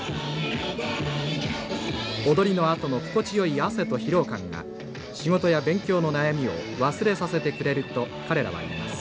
「踊りのあとの心地よい汗と疲労感が仕事や勉強の悩みを忘れさせてくれると彼らは言います」。